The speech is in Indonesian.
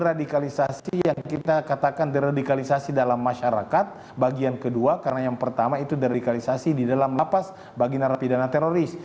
radikalisasi yang kita katakan deradikalisasi dalam masyarakat bagian kedua karena yang pertama itu deradikalisasi di dalam lapas bagi narapidana teroris